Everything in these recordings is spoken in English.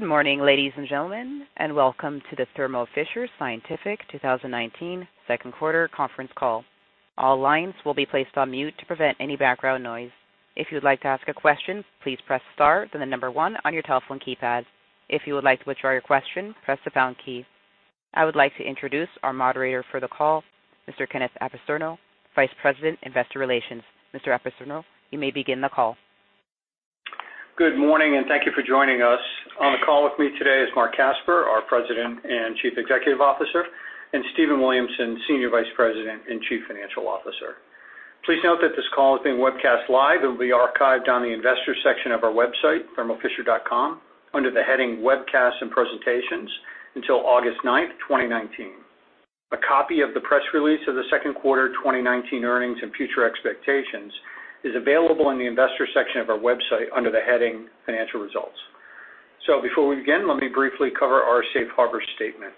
Good morning, ladies and gentlemen, and welcome to the Thermo Fisher Scientific 2019 second quarter conference call. All lines will be placed on mute to prevent any background noise. If you'd like to ask a question, please press star, then the number one on your telephone keypad. If you would like to withdraw your question, press the pound key. I would like to introduce our moderator for the call, Mr. Kenneth Apicerno, Vice President, Investor Relations. Mr. Apicerno, you may begin the call. Good morning, and thank you for joining us. On the call with me today is Marc Casper, our President and Chief Executive Officer, and Stephen Williamson, Senior Vice President and Chief Financial Officer. Please note that this call is being webcast live. It will be archived on the Investors section of our website, thermofisher.com, under the heading Webcasts and Presentations until August 9, 2019. A copy of the press release of the second quarter 2019 earnings and future expectations is available on the Investor section of our website under the heading Financial Results. Before we begin, let me briefly cover our safe harbor statement.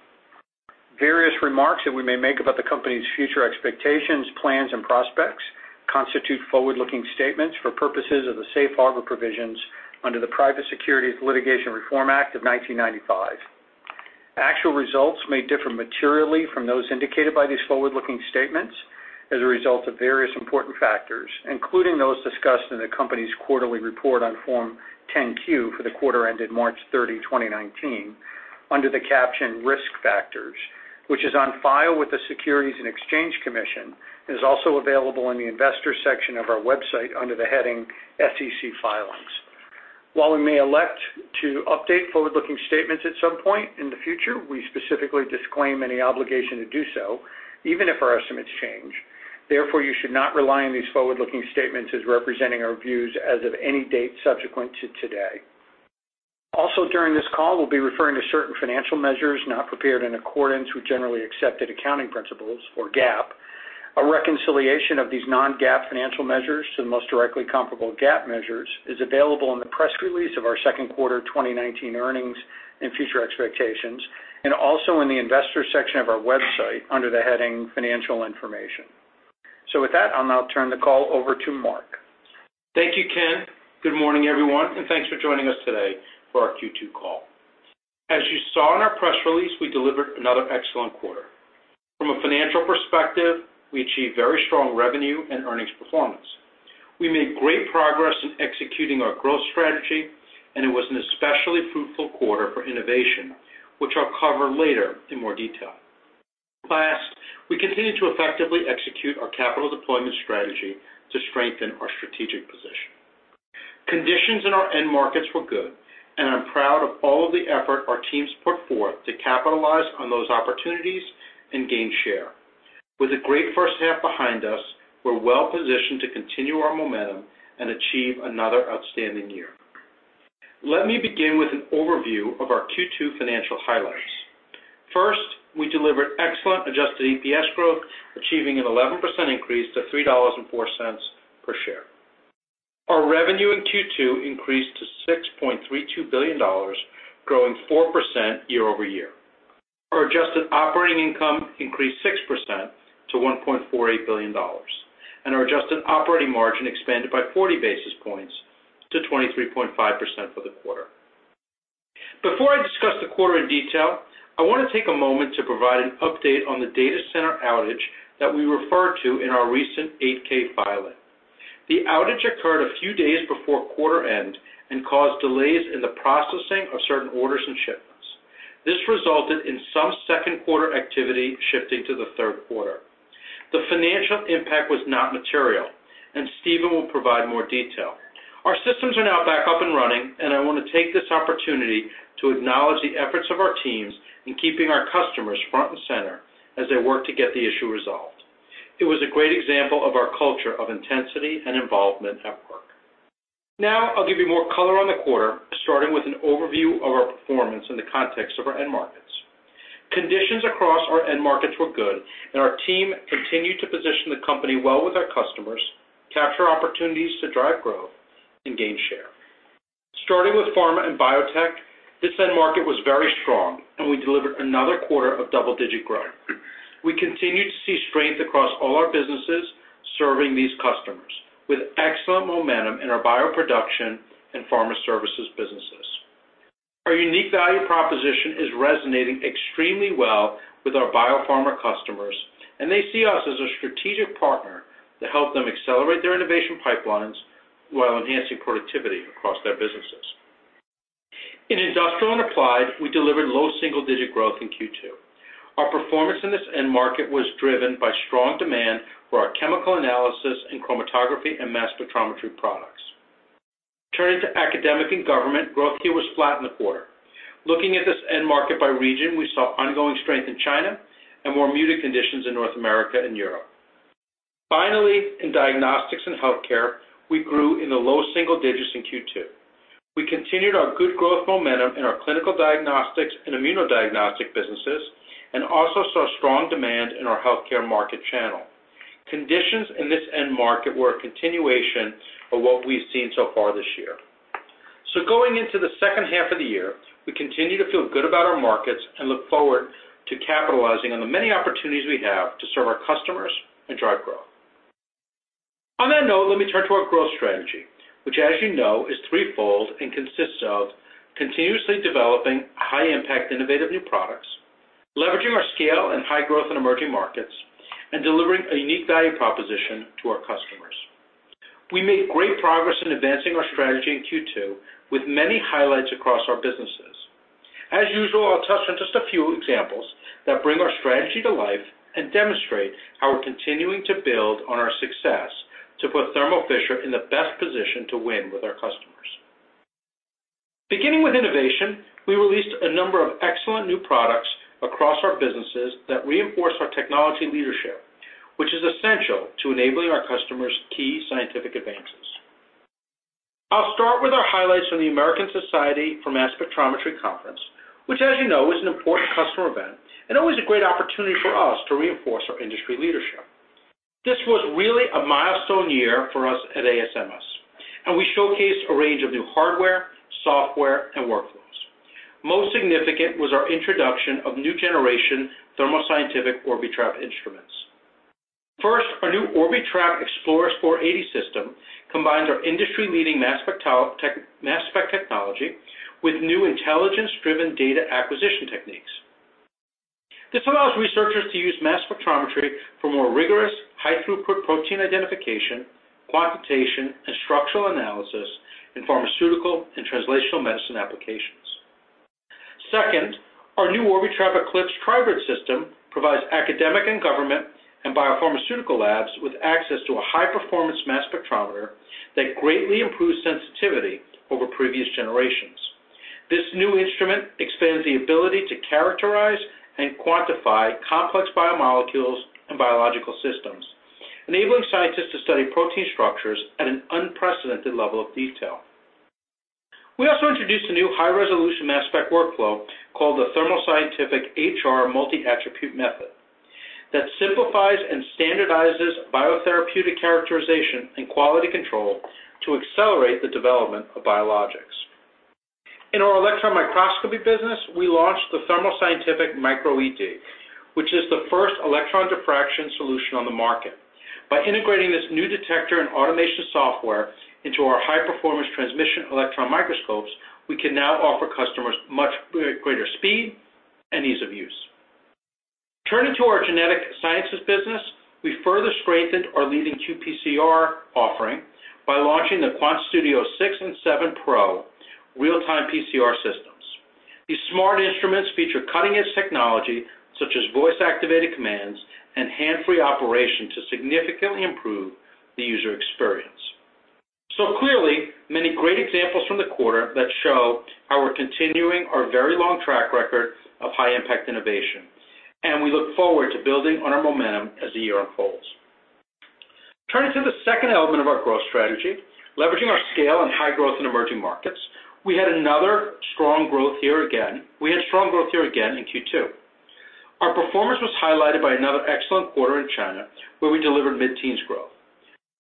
Various remarks that we may make about the company's future expectations, plans, and prospects constitute forward-looking statements for purposes of the safe harbor provisions under the Private Securities Litigation Reform Act of 1995. Actual results may differ materially from those indicated by these forward-looking statements as a result of various important factors, including those discussed in the company's quarterly report on Form 10-Q for the quarter ended March 30, 2019, under the caption Risk Factors, which is on file with the Securities and Exchange Commission, and is also available in the Investor section of our website under the heading SEC Filings. While we may elect to update forward-looking statements at some point in the future, we specifically disclaim any obligation to do so, even if our estimates change. You should not rely on these forward-looking statements as representing our views as of any date subsequent to today. During this call, we'll be referring to certain financial measures not prepared in accordance with generally accepted accounting principles, or GAAP. A reconciliation of these non-GAAP financial measures to the most directly comparable GAAP measures is available in the press release of our second quarter 2019 earnings and future expectations, also in the Investor section of our website under the heading Financial Information. With that, I'll now turn the call over to Marc. Thank you, Ken. Good morning, everyone, and thanks for joining us today for our Q2 call. As you saw in our press release, we delivered another excellent quarter. From a financial perspective, we achieved very strong revenue and earnings performance. We made great progress in executing our growth strategy, and it was an especially fruitful quarter for innovation, which I'll cover later in more detail. Last, I continued to effectively execute our capital deployment strategy to strengthen our strategic position. Conditions in our end markets were good, and I'm proud of all of the effort our teams put forth to capitalize on those opportunities and gain share. With a great first half behind us, we're well positioned to continue our momentum and achieve another outstanding year. Let me begin with an overview of our Q2 financial highlights. First, we delivered excellent adjusted EPS growth, achieving an 11% increase to $3.04 per share. Our revenue in Q2 increased to $6.32 billion, growing 4% year-over-year. Our adjusted operating income increased 6% to $1.48 billion, and our adjusted operating margin expanded by 40 basis points to 23.5% for the quarter. Before I discuss the quarter in detail, I want to take a moment to provide an update on the data center outage that we referred to in our recent 8-K filing. The outage occurred a few days before quarter end and caused delays in the processing of certain orders and shipments. This resulted in some second quarter activity shifting to the third quarter. The financial impact was not material, and Stephen will provide more detail. Our systems are now back up and running. I want to take this opportunity to acknowledge the efforts of our teams in keeping our customers front and center as they worked to get the issue resolved. It was a great example of our culture of intensity and involvement at work. I'll give you more color on the quarter, starting with an overview of our performance in the context of our end markets. Conditions across our end markets were good. Our team continued to position the company well with our customers, capture opportunities to drive growth, and gain share. Starting with pharma and biotech, this end market was very strong. We delivered another quarter of double-digit growth. We continue to see strength across all our businesses serving these customers, with excellent momentum in our bioproduction and pharma services businesses. Our unique value proposition is resonating extremely well with our biopharma customers. They see us as a strategic partner to help them accelerate their innovation pipelines while enhancing productivity across their businesses. In industrial and applied, we delivered low double-digit growth in Q2. Our performance in this end market was driven by strong demand for our chemical analysis and chromatography and mass spectrometry products. Turning to academic and government, growth here was flat in the quarter. Looking at this end market by region, we saw ongoing strength in China and more muted conditions in North America and Europe. Finally, in diagnostics and healthcare, we grew in the low single digits in Q2. We continued our good growth momentum in our clinical diagnostics and immunodiagnostic businesses and also saw strong demand in our healthcare market channel. Conditions in this end market were a continuation of what we've seen so far this year. So going into the second half of the year, we continue to feel good about our markets and look forward to capitalizing on the many opportunities we have to serve our customers and drive growth. On that note, let me turn to our growth strategy, which as you know, is threefold and consists of continuously developing high-impact innovative new products, leveraging our scale and high growth in emerging markets, and delivering a unique value proposition to our customers. We made great progress in advancing our strategy in Q2 with many highlights across our businesses. As usual, I'll touch on just a few examples that bring our strategy to life and demonstrate how we're continuing to build on our success to put Thermo Fisher in the best position to win with our customers. Beginning with innovation, we released a number of excellent new products across our businesses that reinforce our technology leadership, which is essential to enabling our customers' key scientific advances. I'll start with our highlights from the American Society for Mass Spectrometry conference, which as you know, is an important customer event and always a great opportunity for us to reinforce our industry leadership. This was really a milestone year for us at ASMS, and we showcased a range of new hardware, software, and workflows. Most significant was our introduction of new generation Thermo Scientific Orbitrap instruments. First, our new Orbitrap Exploris 480 system combines our industry-leading mass spec technology with new intelligence-driven data acquisition techniques. This allows researchers to use mass spectrometry for more rigorous high throughput protein identification, quantitation, and structural analysis in pharmaceutical and translational medicine applications. Second, our new Orbitrap Eclipse Tribrid system provides academic and government and biopharmaceutical labs with access to a high-performance mass spectrometer that greatly improves sensitivity over previous generations. This new instrument expands the ability to characterize and quantify complex biomolecules and biological systems, enabling scientists to study protein structures at an unprecedented level of detail. We also introduced a new high-resolution mass spec workflow called the Thermo Scientific HR Multi Attribute Method that simplifies and standardizes biotherapeutic characterization and quality control to accelerate the development of biologics. In our electron microscopy business, we launched the Thermo Scientific MicroED, which is the first electron diffraction solution on the market. By integrating this new detector and automation software into our high-performance transmission electron microscopes, we can now offer customers much greater speed and ease of use. Turning to our genetic sciences business, we further strengthened our leading qPCR offering by launching the QuantStudio 6 Pro and 7 Pro real-time PCR systems. These smart instruments feature cutting-edge technology such as voice-activated commands and hand-free operation to significantly improve the user experience. Clearly, many great examples from the quarter that show how we're continuing our very long track record of high-impact innovation, and we look forward to building on our momentum as the year unfolds. Turning to the second element of our growth strategy, leveraging our scale and high growth in emerging markets, we had strong growth here again in Q2. Our performance was highlighted by another excellent quarter in China, where we delivered mid-teens growth.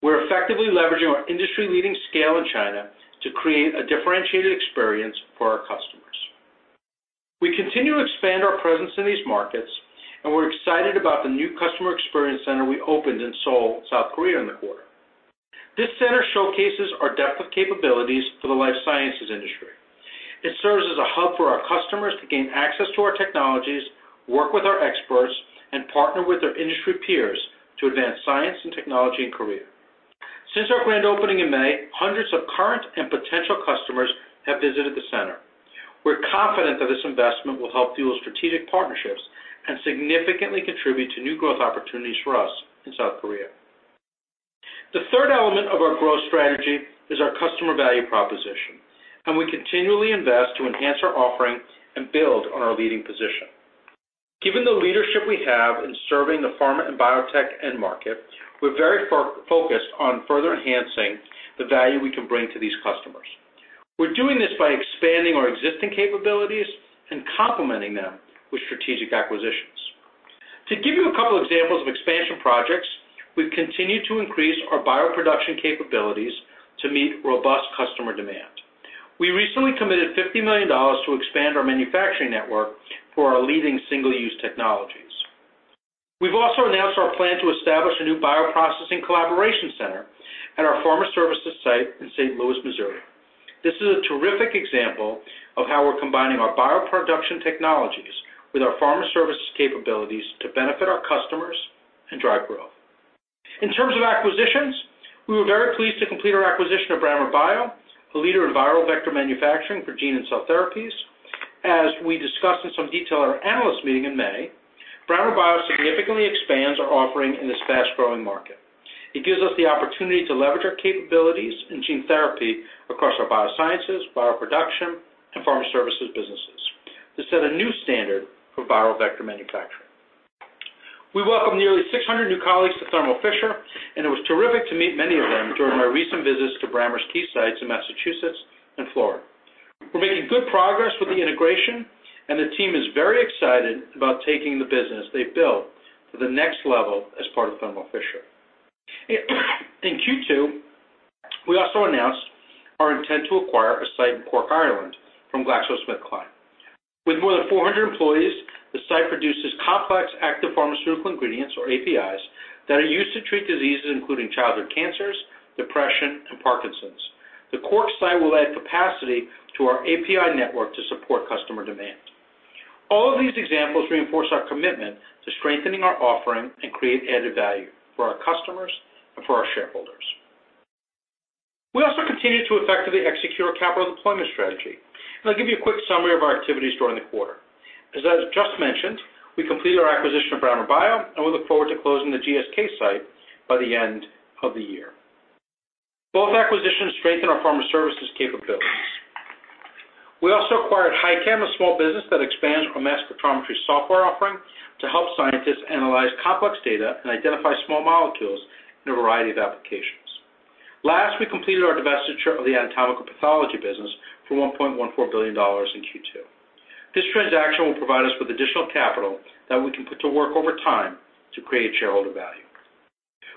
We're effectively leveraging our industry-leading scale in China to create a differentiated experience for our customers. We continue to expand our presence in these markets, and we're excited about the new customer experience center we opened in Seoul, South Korea, in the quarter. This center showcases our depth of capabilities for the life sciences industry. It serves as a hub for our customers to gain access to our technologies, work with our experts, and partner with their industry peers to advance science and technology in Korea. Since our grand opening in May, hundreds of current and potential customers have visited the center. We're confident that this investment will help fuel strategic partnerships and significantly contribute to new growth opportunities for us in South Korea. The third element of our growth strategy is our customer value proposition, and we continually invest to enhance our offering and build on our leading position. Given the leadership we have in serving the pharma and biotech end market, we're very focused on further enhancing the value we can bring to these customers. We're doing this by expanding our existing capabilities and complementing them with strategic acquisitions. To give you a couple examples of expansion projects, we've continued to increase our bioproduction capabilities to meet robust customer demand. We recently committed $50 million to expand our manufacturing network for our leading single-use technologies. We've also announced our plan to establish a new bioprocessing collaboration center at our pharma services site in St. Louis, Missouri. This is a terrific example of how we're combining our bioproduction technologies with our pharma services capabilities to benefit our customers and drive growth. In terms of acquisitions, we were very pleased to complete our acquisition of Brammer Bio, a leader in viral vector manufacturing for gene and cell therapies. As we discussed in some detail at our analyst meeting in May, Brammer Bio significantly expands our offering in this fast-growing market. It gives us the opportunity to leverage our capabilities in gene therapy across our biosciences, bioproduction, and pharma services businesses to set a new standard for viral vector manufacturing. We welcome nearly 600 new colleagues to Thermo Fisher, and it was terrific to meet many of them during our recent visits to Brammer's key sites in Massachusetts and Florida. We're making good progress with the integration, and the team is very excited about taking the business they've built to the next level as part of Thermo Fisher. In Q2, we also announced our intent to acquire a site in Cork, Ireland, from GlaxoSmithKline. With more than 400 employees, the site produces complex active pharmaceutical ingredients, or APIs, that are used to treat diseases including childhood cancers, depression, and Parkinson's. The Cork site will add capacity to our API network to support customer demand. All of these examples reinforce our commitment to strengthening our offering and create added value for our customers and for our shareholders. We also continue to effectively execute our capital deployment strategy, and I'll give you a quick summary of our activities during the quarter. As I just mentioned, we completed our acquisition of Brammer Bio, and we look forward to closing the GSK site by the end of the year. Both acquisitions strengthen our pharma services capabilities. We also acquired HighChem, a small business that expands our mass spectrometry software offering to help scientists analyze complex data and identify small molecules in a variety of applications. Last, we completed our divestiture of the anatomical pathology business for $1.14 billion in Q2. This transaction will provide us with additional capital that we can put to work over time to create shareholder value.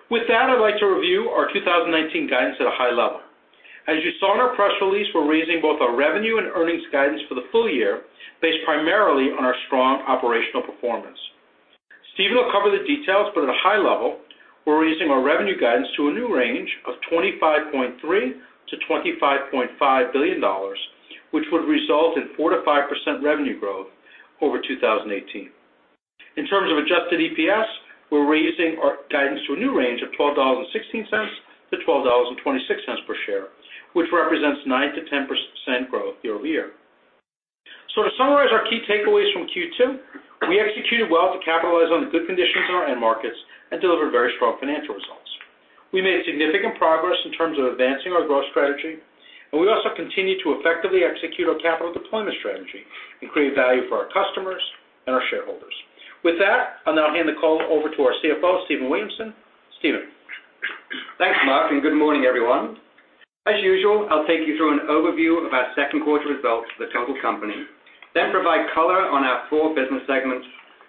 With that, I'd like to review our 2019 guidance at a high level. As you saw in our press release, we're raising both our revenue and earnings guidance for the full year, based primarily on our strong operational performance. Stephen will cover the details, but at a high level, we're raising our revenue guidance to a new range of $25.3 billion-$25.5 billion, which would result in 4%-5% revenue growth over 2018. In terms of adjusted EPS, we're raising our guidance to a new range of $12.16-$12.26 per share, which represents 9%-10% growth year over year. To summarize our key takeaways from Q2, we executed well to capitalize on the good conditions in our end markets and delivered very strong financial results. We made significant progress in terms of advancing our growth strategy, and we also continue to effectively execute our capital deployment strategy and create value for our customers and our shareholders. With that, I'll now hand the call over to our CFO, Stephen Williamson. Stephen? Thanks, Marc. Good morning, everyone. As usual, I'll take you through an overview of our second quarter results for the total company, then provide color on our four business segments.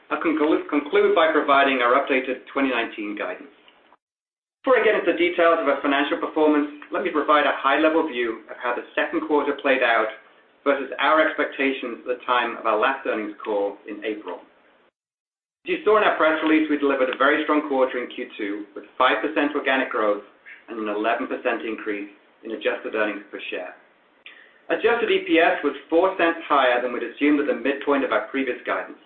I'll conclude by providing our updated 2019 guidance. Before I get into the details of our financial performance, let me provide a high-level view of how the second quarter played out versus our expectations at the time of our last earnings call in April. As you saw in our press release, we delivered a very strong quarter in Q2, with 5% organic growth and an 11% increase in adjusted EPS. Adjusted EPS was $0.04 higher than we'd assumed at the midpoint of our previous guidance.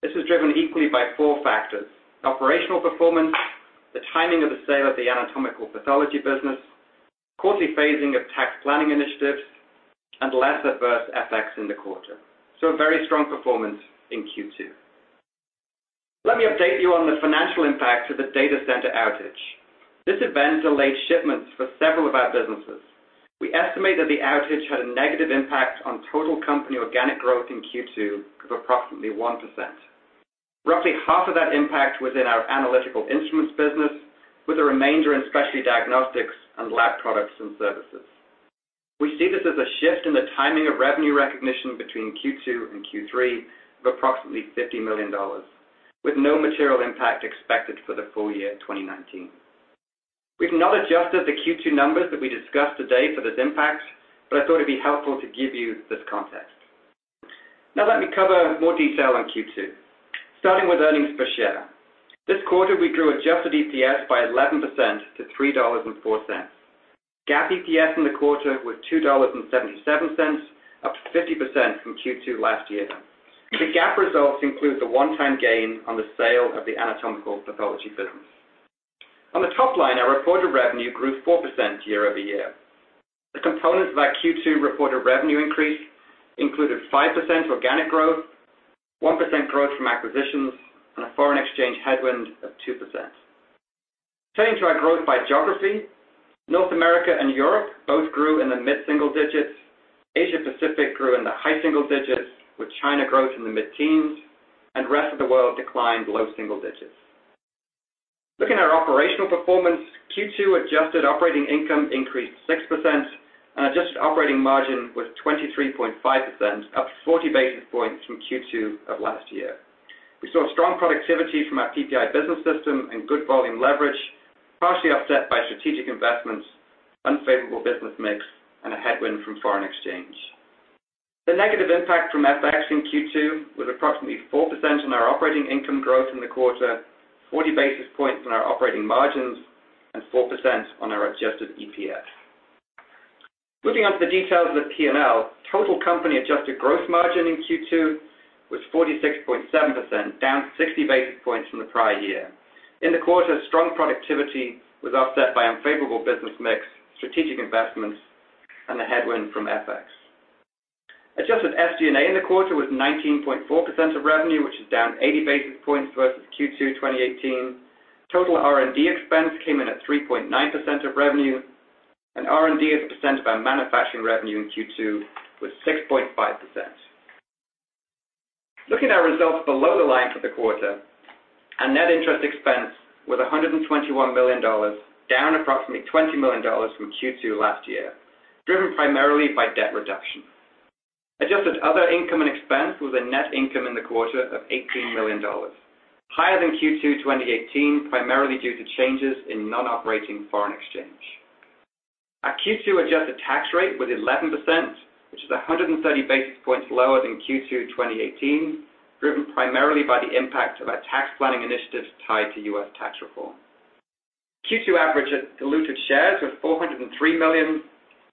This was driven equally by four factors: operational performance, the timing of the sale of the anatomical pathology business, quarterly phasing of tax planning initiatives, and less adverse FX in the quarter. A very strong performance in Q2. Let me update you on the financial impact of the data center outage. This event delayed shipments for several of our businesses. We estimate that the outage had a negative impact on total company organic growth in Q2 of approximately 1%. Roughly half of that impact was in our Analytical Instruments business, with the remainder in Specialty Diagnostics and Laboratory Products and Services. We see this as a shift in the timing of revenue recognition between Q2 and Q3 of approximately $50 million, with no material impact expected for the full year 2019. We've not adjusted the Q2 numbers that we discussed today for this impact, but I thought it'd be helpful to give you this context. Now let me cover more detail on Q2, starting with earnings per share. This quarter, we grew adjusted EPS by 11% to $3.04. GAAP EPS in the quarter was $2.77, up 50% from Q2 last year. The GAAP results include the one-time gain on the sale of the anatomical pathology business. On the top line, our reported revenue grew 4% year-over-year. The components of our Q2 reported revenue increase included 5% organic growth, 1% growth from acquisitions, and a foreign exchange headwind of 2%. Turning to our growth by geography, North America and Europe both grew in the mid-single-digits. Asia Pacific grew in the high-single-digits, with China growth in the mid-teens, and rest of the world declined low-single-digits. Looking at our operational performance, Q2 adjusted operating income increased 6%, and adjusted operating margin was 23.5%, up 40 basis points from Q2 of last year. We saw strong productivity from our PPI business system and good volume leverage, partially offset by strategic investments, unfavorable business mix, and a headwind from foreign exchange. The negative impact from FX in Q2 was approximately 4% on our operating income growth in the quarter, 40 basis points on our operating margins, and 4% on our adjusted EPS. Moving on to the details of the P&L, total company adjusted gross margin in Q2 was 46.7%, down 60 basis points from the prior year. In the quarter, strong productivity was offset by unfavorable business mix, strategic investments, and a headwind from FX. Adjusted SGA in the quarter was 19.4% of revenue, which is down 80 basis points versus Q2 2018. Total R&D expense came in at 3.9% of revenue, and R&D as a percent of our manufacturing revenue in Q2 was 6.5%. Looking at results below the line for the quarter, our net interest expense was $121 million, down approximately $20 million from Q2 last year, driven primarily by debt reduction. Adjusted other income and expense was a net income in the quarter of $18 million, higher than Q2 2018, primarily due to changes in non-operating foreign exchange. Our Q2 adjusted tax rate was 11%, which is 130 basis points lower than Q2 2018, driven primarily by the impact of our tax planning initiatives tied to U.S. tax reform. Q2 average diluted shares was $403 million,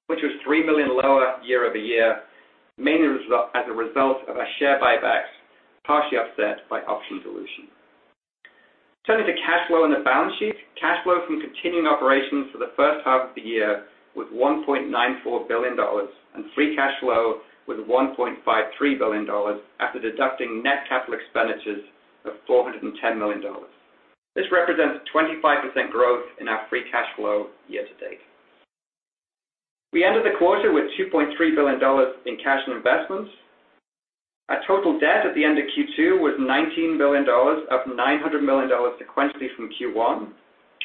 which was $3 million lower year-over-year, mainly as a result of our share buybacks, partially offset by option dilution. Turning to cash flow and the balance sheet, cash flow from continuing operations for the first half of the year was $1.94 billion, and free cash flow was $1.53 billion after deducting net capital expenditures of $410 million. This represents 25% growth in our free cash flow year-to-date. We ended the quarter with $2.3 billion in cash and investments. Our total debt at the end of Q2 was $19 billion, up $900 million sequentially from Q1.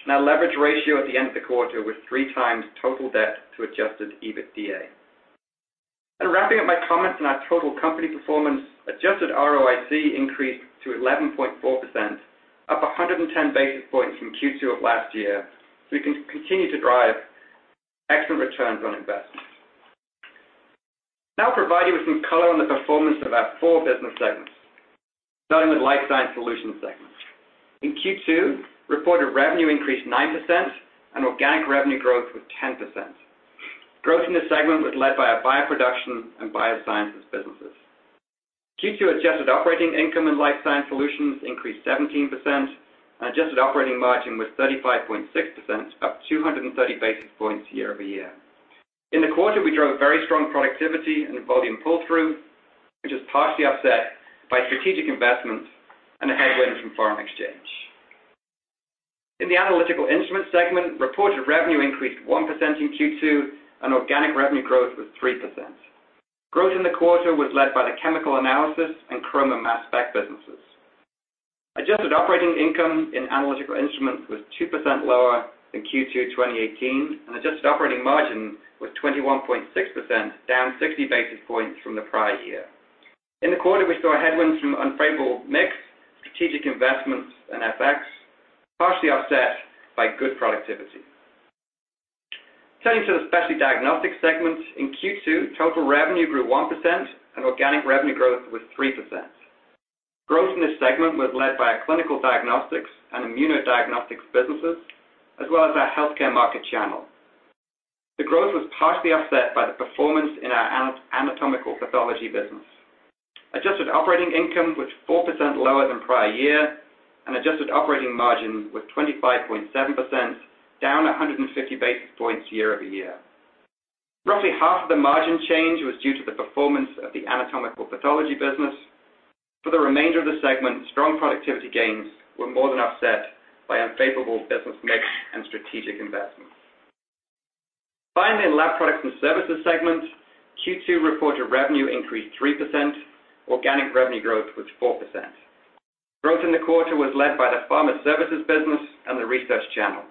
Our leverage ratio at the end of the quarter was 3 times total debt to adjusted EBITDA. Wrapping up my comments on our total company performance, adjusted ROIC increased to 11.4%, up 110 basis points from Q2 of last year, so we can continue to drive excellent returns on investments. Now I'll provide you with some color on the performance of our four business segments, starting with Life Sciences Solutions segment. In Q2, reported revenue increased 9%, and organic revenue growth was 10%. Growth in this segment was led by our bioproduction and biosciences businesses. Q2 adjusted operating income in Life Sciences Solutions increased 17%, and adjusted operating margin was 35.6%, up 230 basis points year-over-year. In the quarter, we drove very strong productivity and volume pull-through, which was partially offset by strategic investments and a headwind from foreign exchange. In the Analytical Instruments segment, reported revenue increased 1% in Q2, and organic revenue growth was 3%. Growth in the quarter was led by the chemical analysis and chroma mass spec businesses. Adjusted operating income in Analytical Instruments was 2% lower than Q2 2018, and adjusted operating margin was 21.6%, down 60 basis points from the prior year. In the quarter, we saw headwinds from unfavorable mix, strategic investments, and FX, partially offset by good productivity. Turning to the Specialty Diagnostics segment, in Q2, total revenue grew 1%. Organic revenue growth was 3%. Growth in this segment was led by our clinical diagnostics and immunodiagnostics businesses, as well as our healthcare market channel. The growth was partially offset by the performance in our anatomical pathology business. Adjusted operating income was 4% lower than prior year. Adjusted operating margin was 25.7%, down 150 basis points year-over-year. Roughly half of the margin change was due to the performance of the anatomical pathology business. For the remainder of the segment, strong productivity gains were more than offset by unfavorable business mix and strategic investments. Finally, in Lab Products and Services segment, Q2 reported revenue increased 3%. Organic revenue growth was 4%. Growth in the quarter was led by the pharma services business and the research channel.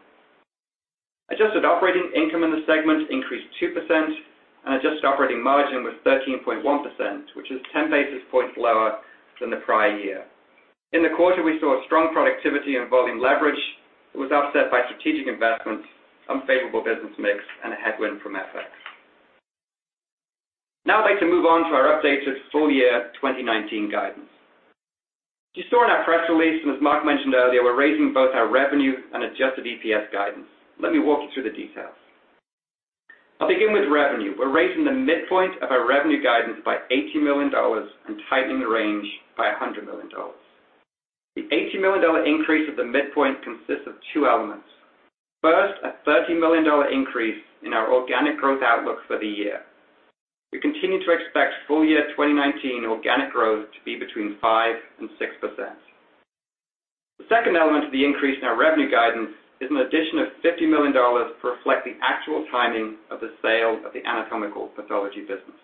Adjusted operating income in the segment increased 2%, and adjusted operating margin was 13.1%, which is 10 basis points lower than the prior year. In the quarter, we saw strong productivity and volume leverage that was offset by strategic investments, unfavorable business mix, and a headwind from FX. Now I'd like to move on to our updated full-year 2019 guidance. As you saw in our press release, and as Marc mentioned earlier, we're raising both our revenue and adjusted EPS guidance. Let me walk you through the details. I'll begin with revenue. We're raising the midpoint of our revenue guidance by $80 million and tightening the range by $100 million. The $80 million increase at the midpoint consists of two elements. First, a $30 million increase in our organic growth outlook for the year. We continue to expect full-year 2019 organic growth to be between 5% and 6%. The second element of the increase in our revenue guidance is an addition of $50 million to reflect the actual timing of the sale of the anatomical pathology business.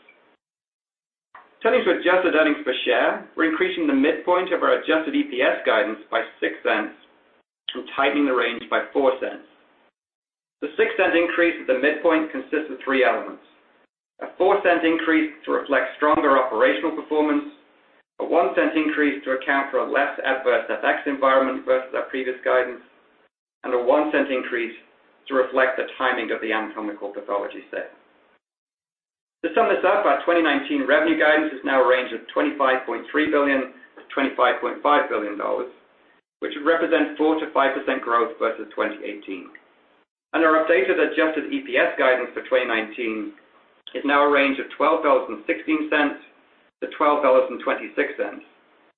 Turning to adjusted EPS, we're increasing the midpoint of our adjusted EPS guidance by $0.06 and tightening the range by $0.04. The $0.06 increase at the midpoint consists of three elements, a $0.04 increase to reflect stronger operational performance, a $0.01 increase to account for a less adverse FX environment versus our previous guidance, and a $0.01 increase to reflect the timing of the anatomical pathology sale. To sum this up, our 2019 revenue guidance is now a range of $25.3 billion-$25.5 billion, which would represent 4%-5% growth versus 2018. Our updated adjusted EPS guidance for 2019 is now a range of $12.16-$12.26,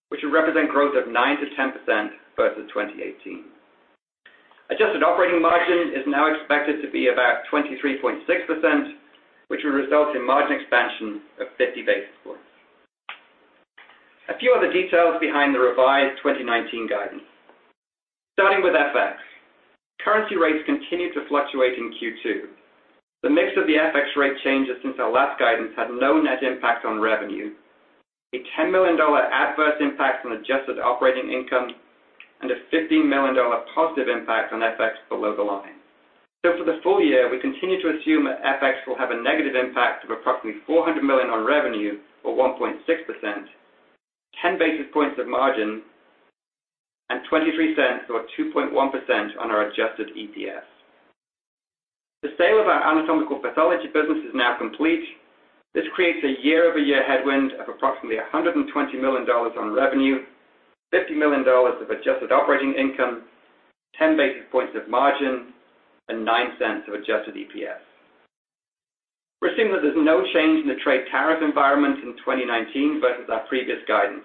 which would represent growth of 9%-10% versus 2018. Adjusted operating margin is now expected to be about 23.6%, which would result in margin expansion of 50 basis points. A few other details behind the revised 2019 guidance. Starting with FX. Currency rates continued to fluctuate in Q2. The mix of the FX rate changes since our last guidance had no net impact on revenue, a $10 million adverse impact on adjusted operating income and a $15 million positive impact on FX below the line. For the full year, we continue to assume that FX will have a negative impact of approximately $400 million on revenue or 1.6%, 10 basis points of margin, and $0.23 or 2.1% on our adjusted EPS. The sale of our anatomical pathology business is now complete. This creates a year-over-year headwind of approximately $120 million on revenue, $50 million of adjusted operating income, 10 basis points of margin, and $0.09 of adjusted EPS. We're assuming that there's no change in the trade tariff environment in 2019 versus our previous guidance.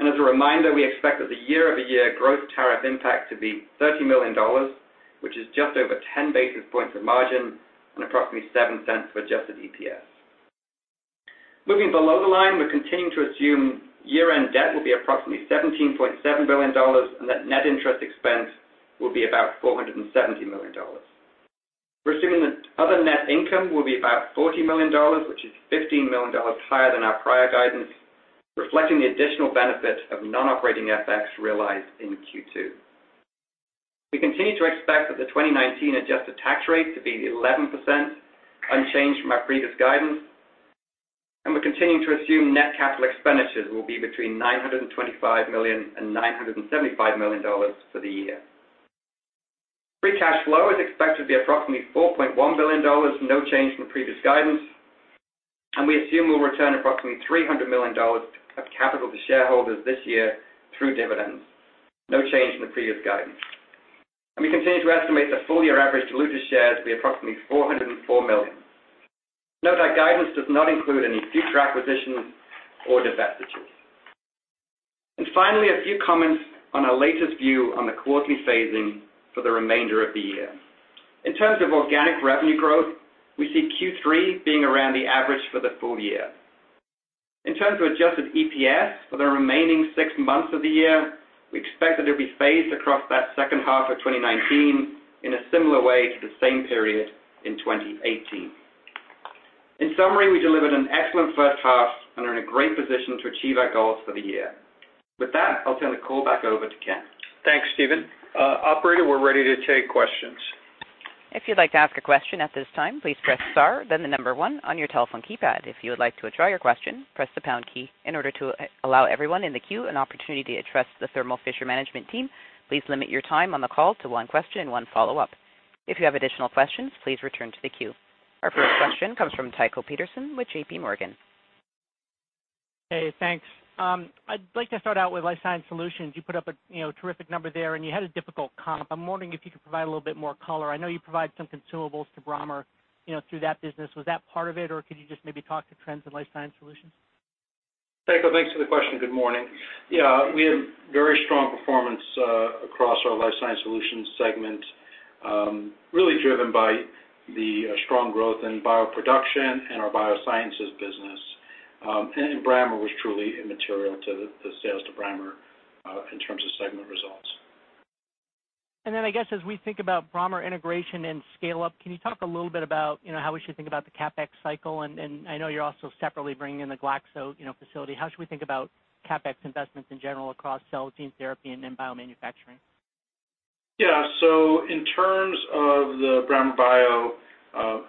As a reminder, we expect that the year-over-year growth tariff impact to be $30 million, which is just over 10 basis points of margin and approximately $0.07 for adjusted EPS. Moving below the line, we're continuing to assume year-end debt will be approximately $17.7 billion, and that net interest expense will be about $470 million. We're assuming that other net income will be about $40 million, which is $15 million higher than our prior guidance, reflecting the additional benefit of non-operating FX realized in Q2. We continue to expect that the 2019 adjusted tax rate to be 11%, unchanged from our previous guidance, and we're continuing to assume net capital expenditures will be between $925 million-$975 million for the year. Free cash flow is expected to be approximately $4.1 billion, no change from previous guidance, and we assume we'll return approximately $300 million of capital to shareholders this year through dividends. No change from the previous guidance. We continue to estimate the full year average diluted shares to be approximately 404 million. Note that guidance does not include any future acquisitions or divestitures. Finally, a few comments on our latest view on the quarterly phasing for the remainder of the year. In terms of organic revenue growth, we see Q3 being around the average for the full year. In terms of adjusted EPS for the remaining six months of the year, we expect that it'll be phased across that second half of 2019 in a similar way to the same period in 2018. In summary, we delivered an excellent first half and are in a great position to achieve our goals for the year. With that, I'll turn the call back over to Ken. Thanks, Stephen. Operator, we're ready to take questions. If you'd like to ask a question at this time, please press star, then the number one on your telephone keypad. If you would like to withdraw your question, press the pound key. In order to allow everyone in the queue an opportunity to address the Thermo Fisher management team, please limit your time on the call to one question and one follow-up. If you have additional questions, please return to the queue. Our first question comes from Tycho Peterson with J.P. Morgan. Hey, thanks. I'd like to start out with Life Sciences Solutions. You put up a terrific number there, and you had a difficult comp. I'm wondering if you could provide a little bit more color. I know you provide some consumables to Brammer through that business. Was that part of it, or could you just maybe talk to trends in Life Sciences Solutions? Tycho, thanks for the question. Good morning. Yeah, we had very strong performance across our Life Sciences Solutions segment, really driven by the strong growth in bioproduction and our biosciences business. Brammer was truly immaterial to the sales to Brammer, in terms of segment results. I guess as we think about Brammer Bio integration and scale up, can you talk a little bit about how we should think about the CapEx cycle? I know you're also separately bringing in the Glaxo facility. How should we think about CapEx investments in general across cell, gene therapy, and biomanufacturing? Yeah. In terms of the Brammer Bio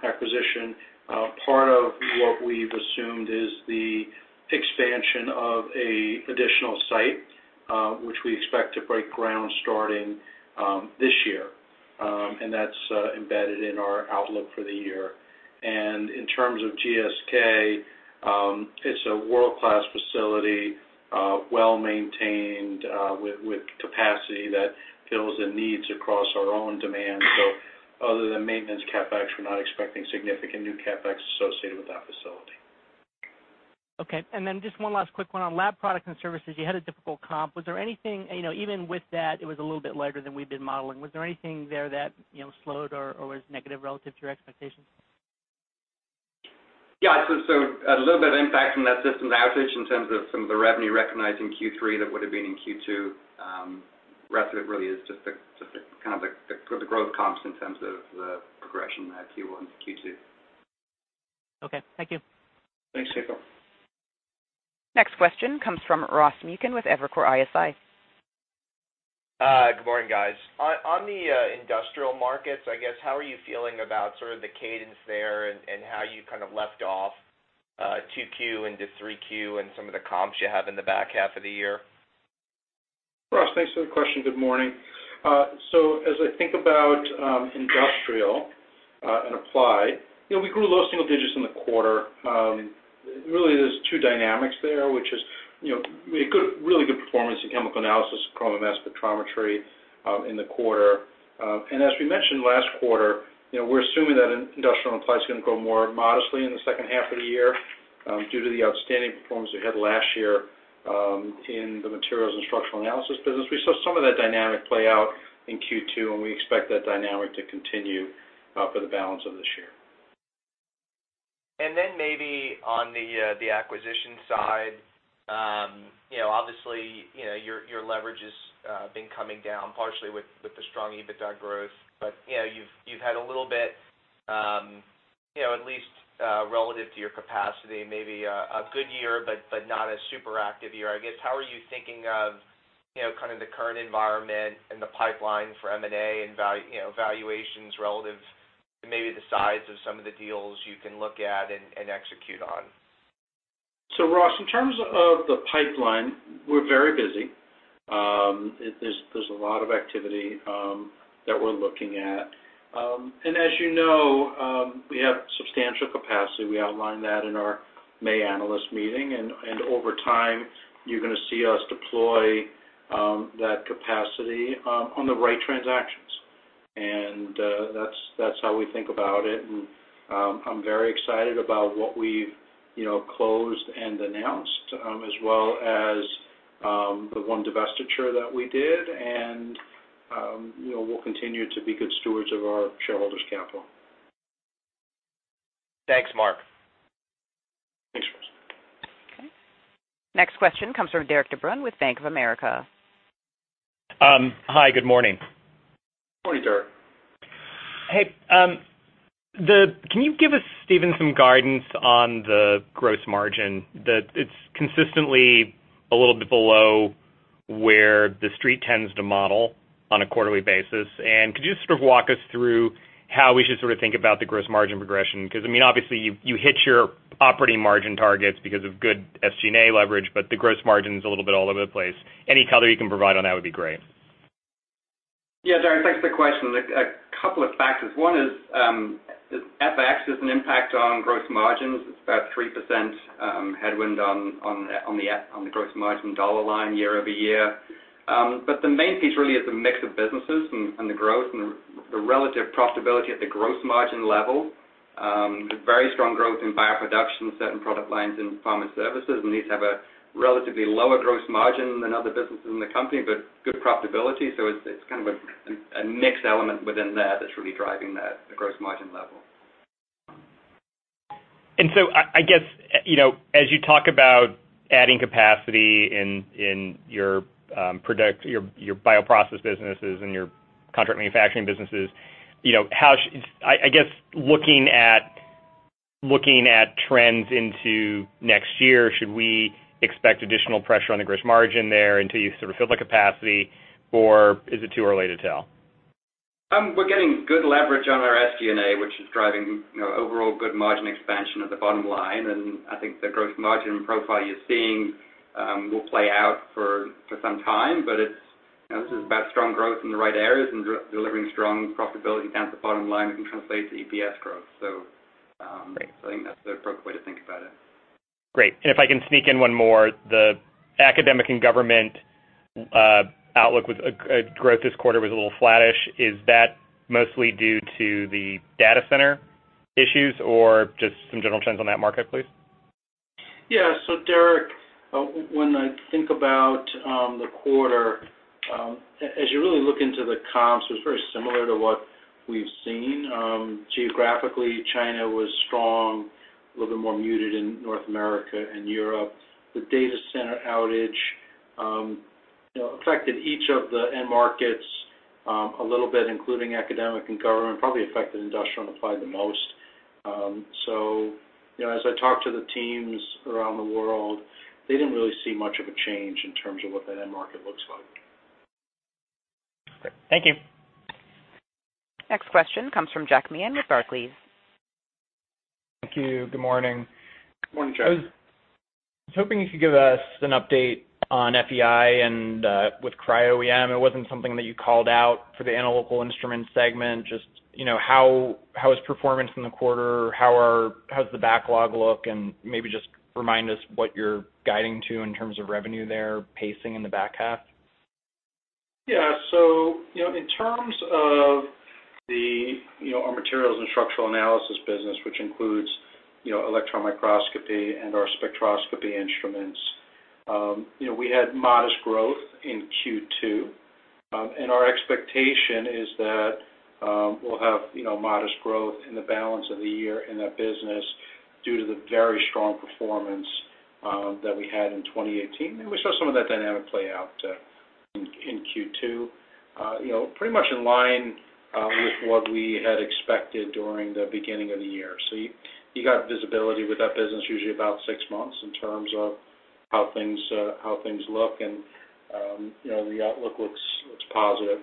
acquisition, part of what we've assumed is the expansion of an additional site, which we expect to break ground starting this year. That's embedded in our outlook for the year. In terms of GSK, it's a world-class facility, well-maintained, with capacity that fills the needs across our own demand. Other than maintenance CapEx, we're not expecting significant new CapEx associated with that facility. Okay. Then just one last quick one on Laboratory Products and Services. You had a difficult comp. Even with that, it was a little bit lighter than we'd been modeling. Was there anything there that slowed or was negative relative to your expectations? Yeah. A little bit of impact from that systems outage in terms of some of the revenue recognized in Q3 that would've been in Q2. Rest of it really is just the growth comps in terms of the progression Q1 to Q2. Okay. Thank you. Thanks, Tycho. Next question comes from Ross Muken with Evercore ISI. Good morning, guys. On the industrial markets, I guess, how are you feeling about sort of the cadence there and how you kind of left off 2Q into 3Q and some of the comps you have in the back half of the year? Ross, thanks for the question. Good morning. As I think about Industrial and Applied, we grew low single digits in the quarter. Really, there's two dynamics there, which is we had really good performance in chemical analysis, chromatography, mass spectrometry in the quarter. As we mentioned last quarter, we're assuming that Industrial and Applied's going to grow more modestly in the second half of the year, due to the outstanding performance we had last year, in the materials and structural analysis business. We saw some of that dynamic play out in Q2, we expect that dynamic to continue for the balance of this year. Maybe on the acquisition side. Obviously, your leverage has been coming down partially with the strong EBITDA growth. You've had a little bit, at least relative to your capacity, maybe a good year, but not a super active year, I guess. How are you thinking of the current environment and the pipeline for M&A and valuations relative to maybe the size of some of the deals you can look at and execute on? Ross, in terms of the pipeline, we're very busy. There's a lot of activity that we're looking at. As you know, we have substantial capacity. We outlined that in our May analyst meeting, and over time, you're going to see us deploy that capacity on the right transactions. That's how we think about it, and I'm very excited about what we've closed and announced, as well as the one divestiture that we did. We'll continue to be good stewards of our shareholders' capital. Thanks, Marc. Thanks, Ross. Okay. Next question comes from Derik De Bruin with Bank of America. Hi, good morning. Morning, Derik. Hey, can you give us, Stephen, some guidance on the gross margin? It's consistently a little bit below where the Street tends to model on a quarterly basis. Could you sort of walk us through how we should sort of think about the gross margin progression? Because obviously, you hit your operating margin targets because of good SG&A leverage, but the gross margin's a little bit all over the place. Any color you can provide on that would be great. Yeah, Derik, thanks for the question. A couple of factors. One is, FX has an impact on gross margins. It's about 3% headwind on the gross margin dollar line year-over-year. The main piece really is the mix of businesses and the growth and the relative profitability at the gross margin level. Very strong growth in bioproduction, certain product lines in pharma services, and these have a relatively lower gross margin than other businesses in the company, but good profitability. It's kind of a mixed element within there that's really driving the gross margin level. I guess, as you talk about adding capacity in your bioprocess businesses and your contract manufacturing businesses, I guess looking at trends into next year, should we expect additional pressure on the gross margin there until you sort of fill the capacity, or is it too early to tell? We're getting good leverage on our SG&A, which is driving overall good margin expansion at the bottom line. I think the gross margin profile you're seeing will play out for some time. This is about strong growth in the right areas and delivering strong profitability down to the bottom line that can translate to EPS growth. I think that's the appropriate way to think about it. Great. If I can sneak in one more. The academic and government outlook growth this quarter was a little flattish. Is that mostly due to the data center issues or just some general trends on that market, please? Yeah. Derik, when I think about the quarter, as you really look into the comps, it was very similar to what we've seen. Geographically, China was strong, a little bit more muted in North America and Europe. The data center outage affected each of the end markets a little bit, including academic and government. Probably affected industrial and applied the most. As I talked to the teams around the world, they didn't really see much of a change in terms of what that end market looks like. Great. Thank you. Next question comes from Jack Meehan with Barclays. Thank you. Good morning. Good morning, Jack. I was hoping you could give us an update on FEI and with Cryo-EM. It wasn't something that you called out for the Analytical Instruments segment, just how is performance in the quarter? How does the backlog look, and maybe just remind us what you're guiding to in terms of revenue there, pacing in the back half? In terms of our materials and structural analysis business, which includes electron microscopy and our spectroscopy instruments, we had modest growth in Q2. Our expectation is that we'll have modest growth in the balance of the year in that business due to the very strong performance that we had in 2018. We saw some of that dynamic play out in Q2, pretty much in line with what we had expected during the beginning of the year. You got visibility with that business usually about six months in terms of how things look, and the outlook looks positive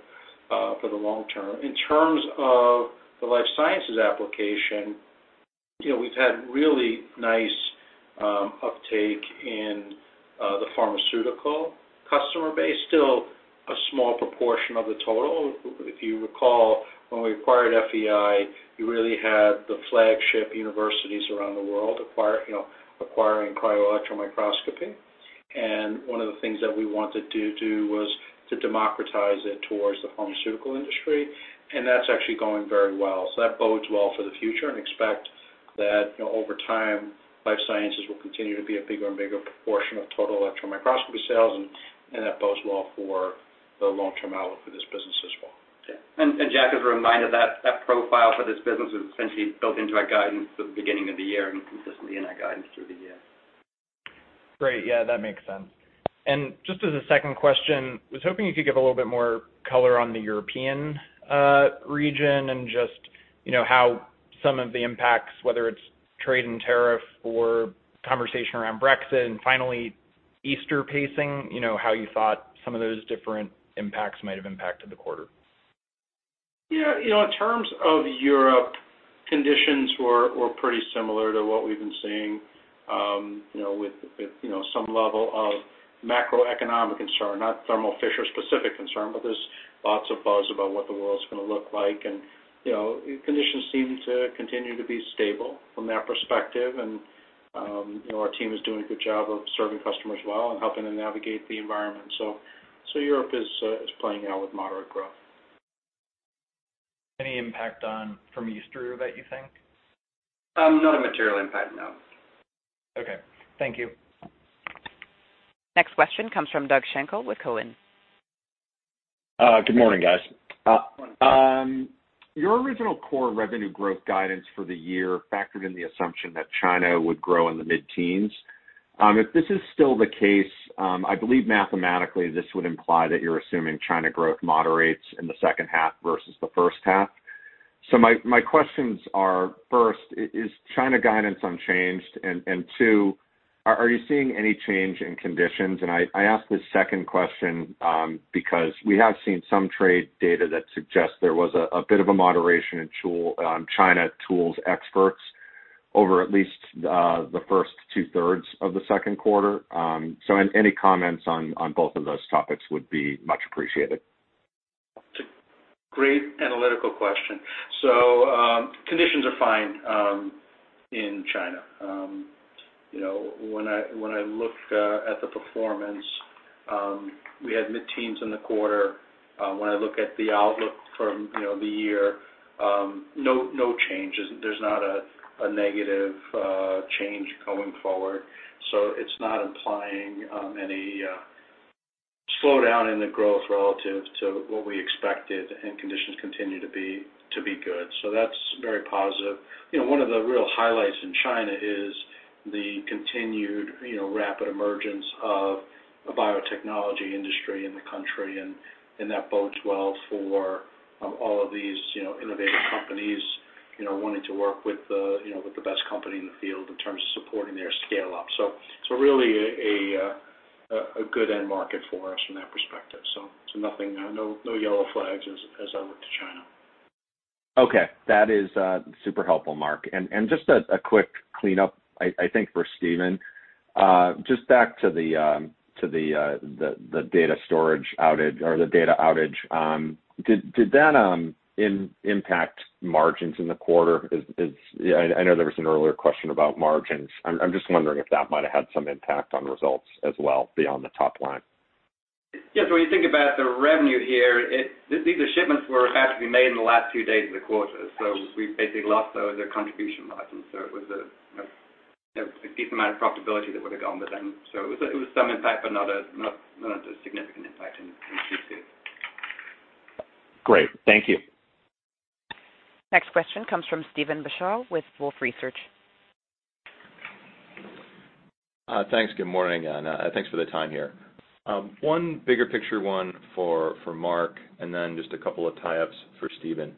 for the long term. In terms of the life sciences application, we've had really nice uptake in the pharmaceutical customer base. Still a small proportion of the total. If you recall, when we acquired FEI, you really had the flagship universities around the world acquiring cryo-electron microscopy. One of the things that we wanted to do was to democratize it towards the pharmaceutical industry, and that's actually going very well. That bodes well for the future and expect that over time, life sciences will continue to be a bigger and bigger proportion of total electron microscopy sales and that bodes well for the long-term outlook for this business as well. Yeah. Jack, as a reminder, that profile for this business was essentially built into our guidance at the beginning of the year and consistently in our guidance through the year. Great. Yeah, that makes sense. Just as a second question, I was hoping you could give a little bit more color on the European region and just how some of the impacts, whether it's trade and tariff or conversation around Brexit and finally Easter pacing, how you thought some of those different impacts might have impacted the quarter. Yeah. In terms of Europe, conditions were pretty similar to what we've been seeing with some level of macroeconomic concern, not Thermo Fisher specific concern. There's lots of buzz about what the world's going to look like. Conditions seem to continue to be stable from that perspective. Our team is doing a good job of serving customers well and helping to navigate the environment. Europe is playing out with moderate growth. Any impact from Easter that you think? Not a material impact, no. Okay. Thank you. Next question comes from Doug Schenkel with Cowen. Good morning, guys. Morning. Your original core revenue growth guidance for the year factored in the assumption that China would grow in the mid-teens. If this is still the case, I believe mathematically this would imply that you're assuming China growth moderates in the second half versus the first half. My questions are, first, is China guidance unchanged? Two, are you seeing any change in conditions? I ask this second question because we have seen some trade data that suggests there was a bit of a moderation in China tools exports over at least the first two-thirds of the second quarter. Any comments on both of those topics would be much appreciated. It's a great analytical question. Conditions are fine in China. When I look at the performance, we had mid-teens in the quarter. When I look at the outlook for the year, no changes. There's not a negative change going forward. It's not implying any slowdown in the growth relative to what we expected, and conditions continue to be good. That's very positive. One of the real highlights in China is the continued rapid emergence of a biotechnology industry in the country, and that bodes well for all of these innovative companies wanting to work with the best company in the field in terms of supporting their scale up. Really a good end market for us from that perspective. No yellow flags as I look to China. Okay. That is super helpful, Marc. Just a quick cleanup, I think for Stephen. Just back to the data outage. Did that impact margins in the quarter? I know there was an earlier question about margins. I'm just wondering if that might have had some impact on results as well beyond the top line. Yeah, when you think about the revenue here, these are shipments were actually made in the last few days of the quarter. We basically lost those contribution margins. It was a decent amount of profitability that would have gone with them. It was some impact, but not a significant impact in Q2. Great. Thank you. Next question comes from Steven Beuchaw with Wolfe Research. Thanks. Good morning, thanks for the time here. One bigger picture one for Marc, and then just a couple of tie-ups for Stephen.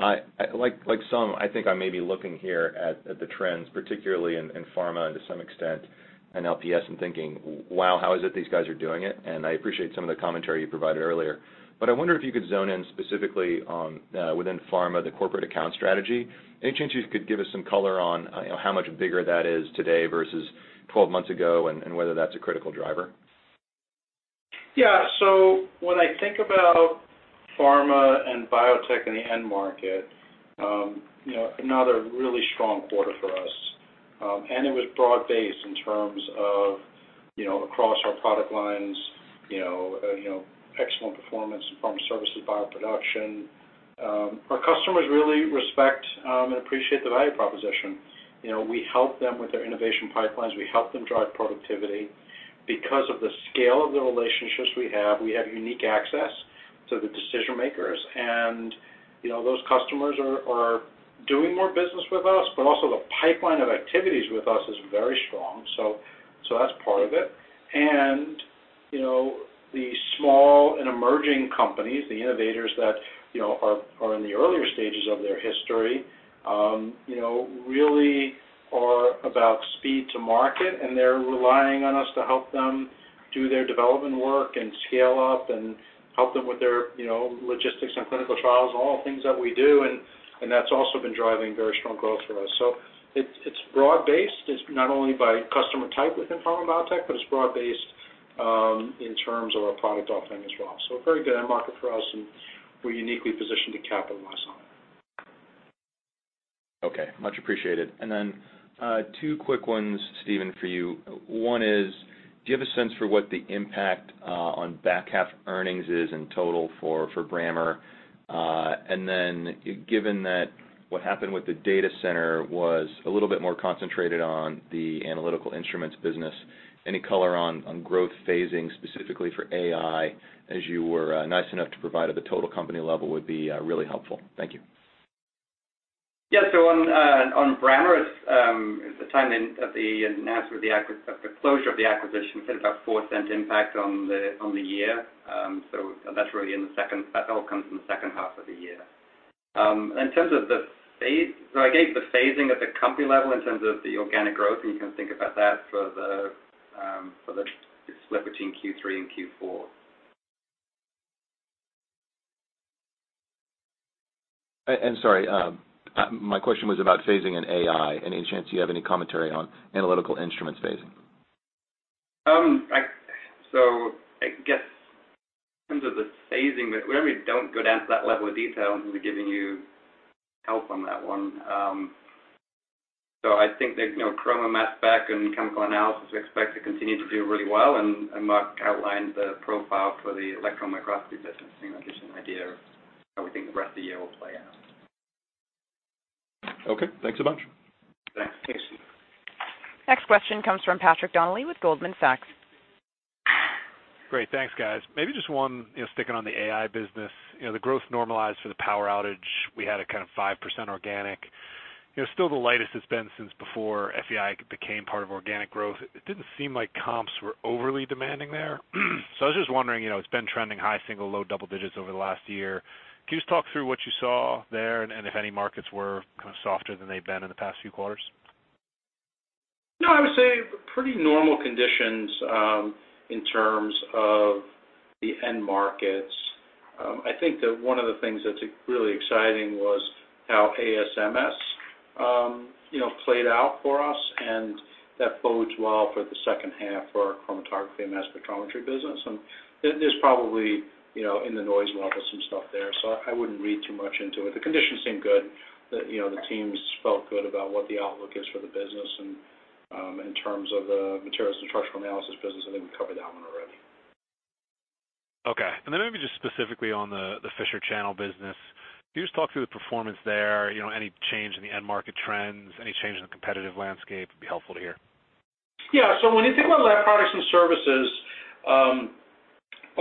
Like some, I think I may be looking here at the trends, particularly in pharma and to some extent in LPS, and thinking, "Wow, how is it these guys are doing it?" I appreciate some of the commentary you provided earlier. I wonder if you could zone in specifically within pharma, the corporate account strategy. Any chance you could give us some color on how much bigger that is today versus 12 months ago, and whether that's a critical driver? Yeah. When I think about pharma and biotech in the end market, another really strong quarter for us. It was broad-based in terms of across our product lines, excellent performance in pharma services, bioproduction. Our customers really respect and appreciate the value proposition. We help them with their innovation pipelines. We help them drive productivity. Because of the scale of the relationships we have, we have unique access to the decision-makers, and those customers are doing more business with us, but also the pipeline of activities with us is very strong. That's part of it. The small and emerging companies, the innovators that are in the earlier stages of their history, really are about speed to market, and they're relying on us to help them do their development work and scale up and help them with their logistics and clinical trials, all things that we do. That's also been driving very strong growth for us. It's broad-based, it's not only by customer type within pharma biotech, but it's broad-based in terms of our product offering as well. A very good end market for us, and we're uniquely positioned to capitalize on it. Okay, much appreciated. Then two quick ones, Stephen, for you. One is, do you have a sense for what the impact on back-half earnings is in total for Brammer? Then, given that what happened with the data center was a little bit more concentrated on the Analytical Instruments business, any color on growth phasing specifically for AI, as you were nice enough to provide at the total company level would be really helpful. Thank you. On Brammer, at the time of the announcement of the closure of the acquisition, we said about a $0.04 impact on the year. That all comes from the second half of the year. In terms of the phase, so I gave the phasing at the company level in terms of the organic growth, and you can think about that for the split between Q3 and Q4. I'm sorry. My question was about phasing in AI. Any chance you have any commentary on Analytical Instruments phasing? I guess in terms of the phasing, we really don't go down to that level of detail to be giving you help on that one. I think that Chromatography, Mass Spec, and chemical analysis, we expect to continue to do really well. Marc outlined the profile for the electron microscopy business, to give you an idea of how we think the rest of the year will play out. Okay, thanks a much. Thanks. Next question comes from Patrick Donnelly with Goldman Sachs. Great. Thanks, guys. Maybe just one, sticking on the AI business. The growth normalized for the power outage, we had a kind of 5% organic. Still the lightest it's been since before FEI became part of organic growth. It didn't seem like comps were overly demanding there. I was just wondering, it's been trending high single, low double digits over the last year. Can you just talk through what you saw there, and if any markets were kind of softer than they've been in the past few quarters? No, I would say pretty normal conditions, in terms of the end markets. I think that one of the things that's really exciting was how ASMS played out for us, and that bodes well for the second half for our chromatography and mass spectrometry business. There's probably, in the noise level, some stuff there, so I wouldn't read too much into it. The conditions seem good. The teams felt good about what the outlook is for the business. In terms of the materials and structional analysis business, I think we covered that one already. Okay. Maybe just specifically on the Fisher channel business. Can you just talk through the performance there? Any change in the end market trends? Any change in the competitive landscape would be helpful to hear. Yeah. When you think about lab products and services,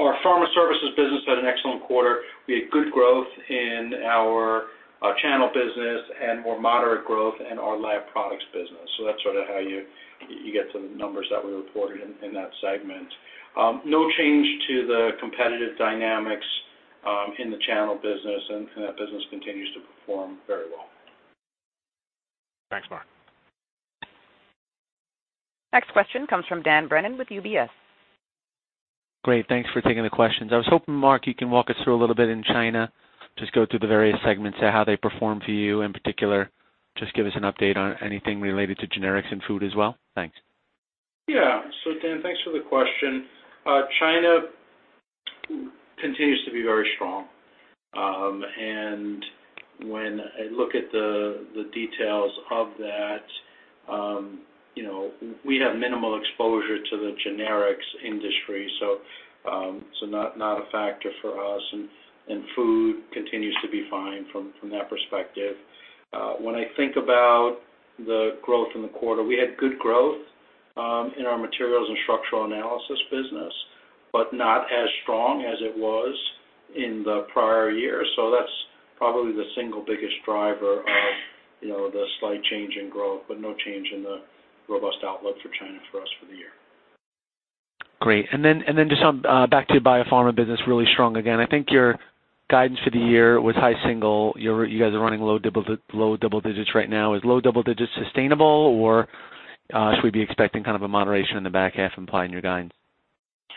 our Pharma Services business had an excellent quarter. We had good growth in our channel business and more moderate growth in our lab products business. That's sort of how you get to the numbers that we reported in that segment. No change to the competitive dynamics in the channel business. That business continues to perform very well. Thanks, Marc. Next question comes from Dan Brennan with UBS. Great. Thanks for taking the questions. I was hoping, Marc, you can walk us through a little bit in China. Just go through the various segments, how they perform for you. In particular, just give us an update on anything related to generics and food as well. Thanks. Yeah. Dan, thanks for the question. China continues to be very strong. When I look at the details of that, we have minimal exposure to the generics industry, so not a factor for us. Food continues to be fine from that perspective. When I think about the growth in the quarter, we had good growth in our materials and structural analysis business, but not as strong as it was in the prior year. That's probably the single biggest driver of the slight change in growth, but no change in the robust outlook for China for us for the year. Great. Just back to bio pharma business, really strong again. I think your guidance for the year was high single-digit. You guys are running low double-digit right now. Is low double-digit sustainable, or should we be expecting kind of a moderation in the back half, implying your guidance?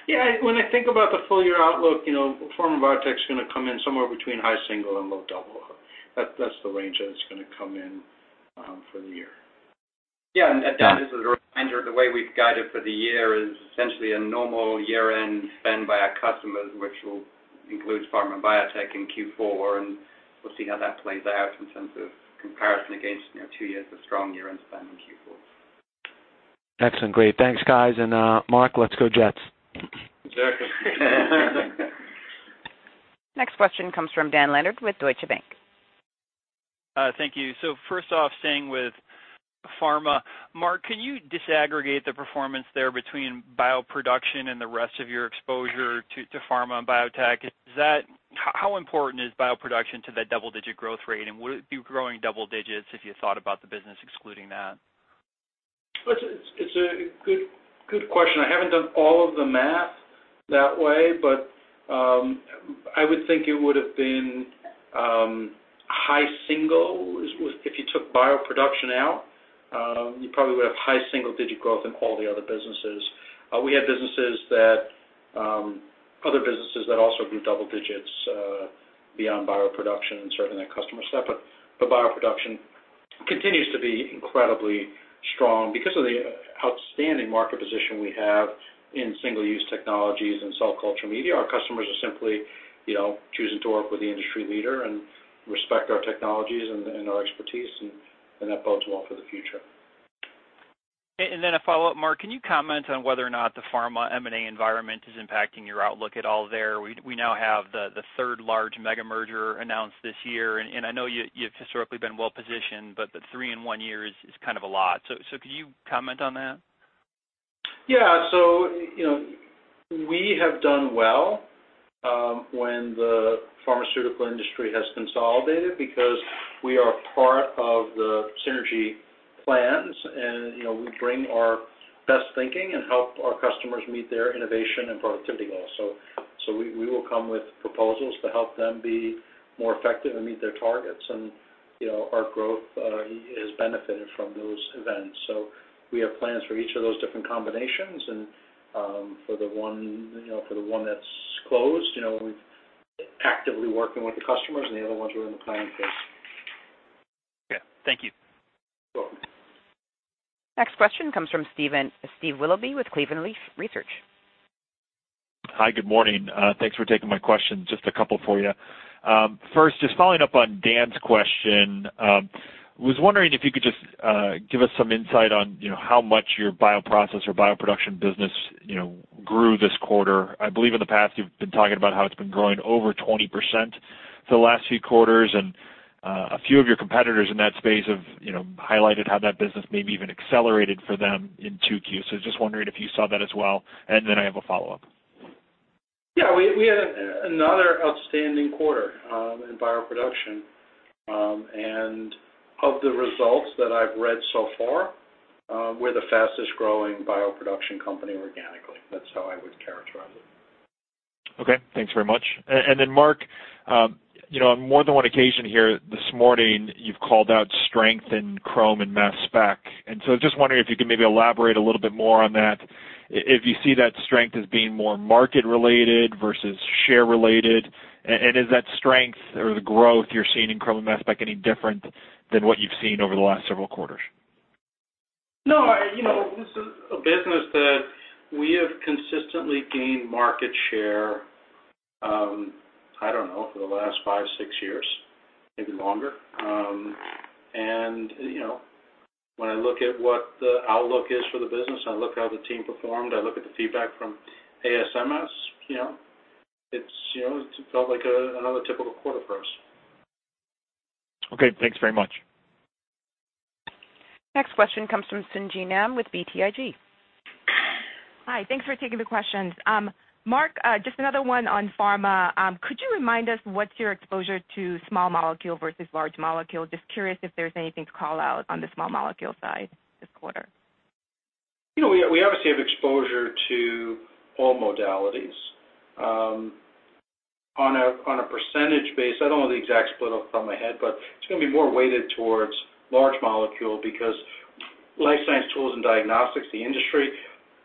Yeah, when I think about the full year outlook, pharma biotech's going to come in somewhere between high single and low double. That's the range that it's going to come in for the year. Yeah. Dan, just as a reminder, the way we’ve guided for the year is essentially a normal year-end spend by our customers, which will include pharma and biotech in Q4, and we’ll see how that plays out in terms of comparison against two years of strong year-end spend in Q4. Excellent. Great. Thanks, guys. Marc, let's go Jets. You bet. Next question comes from Dan Leonard with Deutsche Bank. Thank you. First off, staying with pharma. Marc, can you disaggregate the performance there between bioproduction and the rest of your exposure to pharma and biotech? How important is bioproduction to that double-digit growth rate, and would it be growing double digits if you thought about the business excluding that? It's a good question. I haven't done all of the math that way, but I would think it would've been high single. If you took bioproduction out, you probably would have high single-digit growth in all the other businesses. We have other businesses that also do double digits, beyond bioproduction and serving that customer set. Bioproduction continues to be incredibly strong because of the outstanding market position we have in single-use technologies and cell culture media. Our customers are simply choosing to work with the industry leader and respect our technologies and our expertise, that bodes well for the future. A follow-up, Marc, can you comment on whether or not the pharma M&A environment is impacting your outlook at all there? We now have the third large mega-merger announced this year, and I know you've historically been well-positioned, but the three in one year is kind of a lot. Could you comment on that? Yeah. We have done well when the pharmaceutical industry has consolidated because we are part of the synergy plans, and we bring our best thinking and help our customers meet their innovation and productivity goals. We will come with proposals to help them be more effective and meet their targets. Our growth has benefited from those events. We have plans for each of those different combinations. For the one that's closed, we're actively working with the customers and the other ones are in the planning phase. Okay. Thank you. Sure. Next question comes from Steve Willoughby with Cleveland Research Company. Hi, good morning. Thanks for taking my question. Just a couple for you. First, just following up on Dan's question, was wondering if you could just give us some insight on how much your bioprocess or bioproduction business grew this quarter. I believe in the past you've been talking about how it's been growing over 20% for the last few quarters, and a few of your competitors in that space have highlighted how that business maybe even accelerated for them in 2Q. Just wondering if you saw that as well, and then I have a follow-up. Yeah, we had another outstanding quarter in bioproduction. Of the results that I've read so far, we're the fastest-growing bioproduction company organically. That's how I would characterize it. Okay. Thanks very much. Then Marc, on more than one occasion here this morning, you've called out strength in Chrome and Mass Spec. So I was just wondering if you could maybe elaborate a little bit more on that, if you see that strength as being more market-related versus share-related, and is that strength or the growth you're seeing in Chrome and Mass Spec any different than what you've seen over the last several quarters? This is a business that we have consistently gained market share, I don't know, for the last five, six years, maybe longer. When I look at what the outlook is for the business, I look at how the team performed, I look at the feedback from ASMS, it felt like another typical quarter for us. Okay, thanks very much. Next question comes from Sung Ji Nam with BTIG. Hi, thanks for taking the questions. Marc, just another one on pharma. Could you remind us what's your exposure to small molecule versus large molecule? Just curious if there's anything to call out on the small molecule side this quarter. We obviously have exposure to all modalities. On a percentage base, I don't know the exact split off the top of my head, but it's going to be more weighted towards large molecule because life science tools and diagnostics, the industry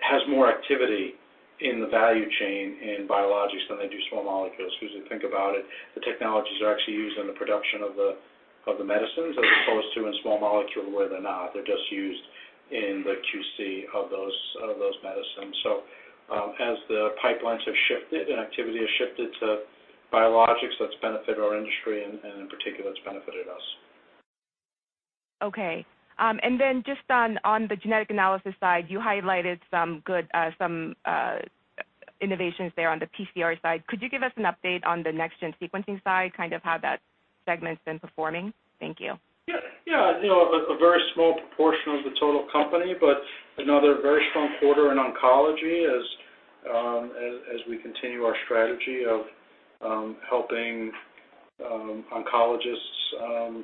has more activity in the value chain in biologics than they do small molecules. Because if you think about it, the technologies are actually used in the production of the medicines as opposed to in small molecule, where they're not. They're just used in the QC of those medicines. As the pipelines have shifted and activity has shifted to biologics, that's benefited our industry and in particular, it's benefited us. Okay. Just on the genetic analysis side, you highlighted some good innovations there on the PCR side. Could you give us an update on the next-gen sequencing side, how that segment's been performing? Thank you. Yeah. A very small proportion of the total company, another very strong quarter in oncology as we continue our strategy of helping oncologists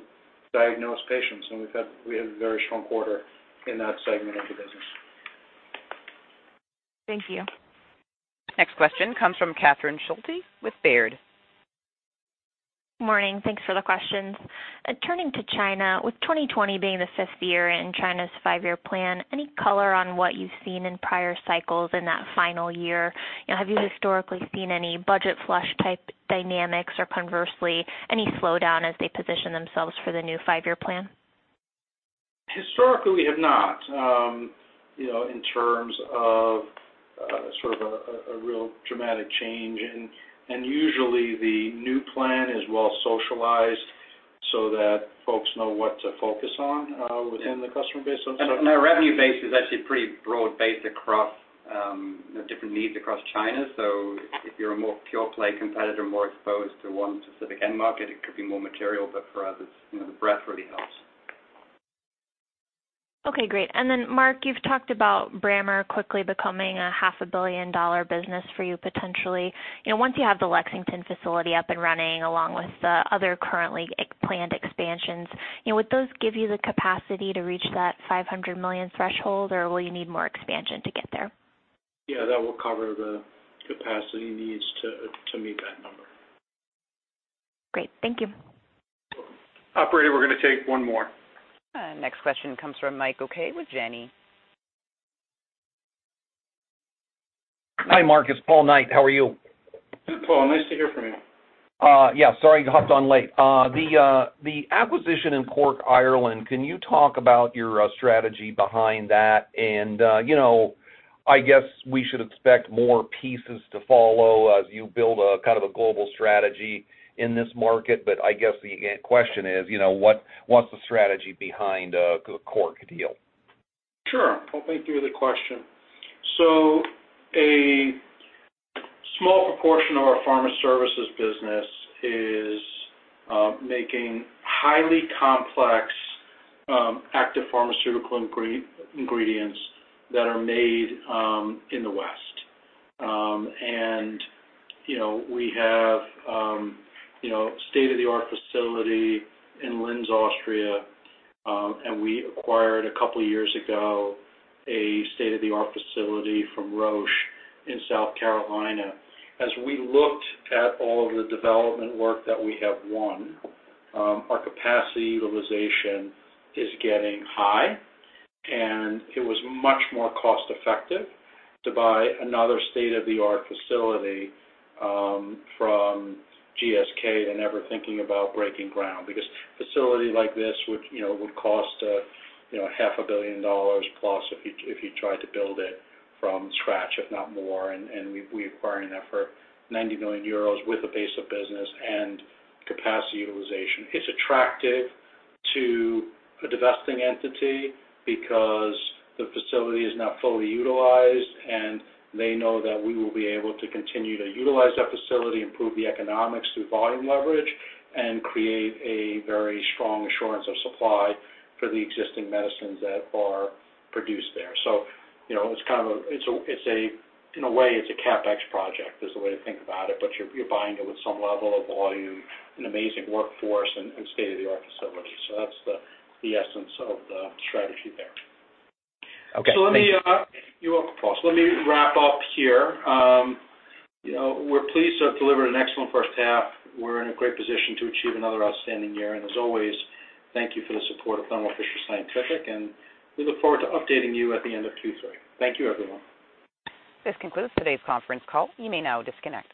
diagnose patients. We had a very strong quarter in that segment of the business. Thank you. Next question comes from Catherine Schulte with Baird. Morning. Thanks for the questions. Turning to China, with 2020 being the fifth year in China's five-year plan, any color on what you've seen in prior cycles in that final year? Have you historically seen any budget flush type dynamics or conversely, any slowdown as they position themselves for the new five-year plan? Historically, we have not, in terms of sort of a real dramatic change. Usually the new plan is well socialized so that folks know what to focus on within the customer base. Our revenue base is actually pretty broad-based across different needs across China. If you're a more pure play competitor, more exposed to one specific end market, it could be more material, but for us, the breadth really helps. Okay, great. Marc, you've talked about Brammer quickly becoming a half a billion-dollar business for you potentially. Once you have the Lexington facility up and running, along with the other currently planned expansions, would those give you the capacity to reach that $500 million threshold, or will you need more expansion to get there? Yeah, that will cover the capacity needs to meet that number. Great. Thank you. Sure. Operator, we're going to take one more. Next question comes from Mike Okay with Janney. Hi, Marc, It's Paul Knight. How you are you? Good, Paul. Nice to hear from you. Yeah, sorry I hopped on late. The acquisition in Cork, Ireland, can you talk about your strategy behind that? I guess we should expect more pieces to follow as you build a global strategy in this market. I guess the question is, what's the strategy behind the Cork deal? Sure. Well, thank you for the question. A small proportion of our pharma services business is making highly complex active pharmaceutical ingredients that are made in the West. We have state-of-the-art facility in Linz, Austria, and we acquired a couple years ago a state-of-the-art facility from Roche in South Carolina. As we looked at all of the development work that we have won, our capacity utilization is getting high, and it was much more cost-effective to buy another state-of-the-art facility from GSK than ever thinking about breaking ground. Facility like this would cost half a billion dollars plus if you tried to build it from scratch, if not more. We acquired that for 90 million euros with a base of business and capacity utilization. It's attractive to a divesting entity because the facility is not fully utilized, and they know that we will be able to continue to utilize that facility, improve the economics through volume leverage, and create a very strong assurance of supply for the existing medicines that are produced there. In a way, it's a CapEx project, is the way to think about it, but you're buying it with some level of volume, an amazing workforce, and state-of-the-art facility. That's the essence of the strategy there. Okay. Thank you. You're welcome, Paul. Let me wrap up here. We're pleased to have delivered an excellent first half. We're in a great position to achieve another outstanding year. As always, thank you for the support of Thermo Fisher Scientific, and we look forward to updating you at the end of Q3. Thank you, everyone. This concludes today's conference call. You may now disconnect.